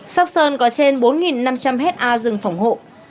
sóc sơn có trên bốn năm trăm linh hectare rừng phòng hộ